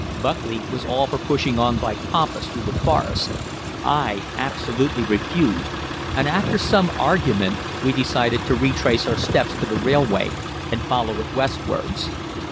Buckley was all for pushing on by compass through the forest. I absolutely refused, and after some argument we decided to retrace our steps to the railway and follow it westwards.